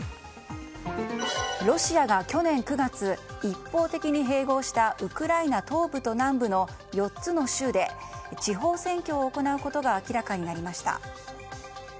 ロシアが去年９月一方的に併合したウクライナ東部と南部の４つの州で地方選挙を行うことが明らかになりました。